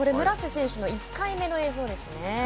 村瀬選手の１回目の映像ですね。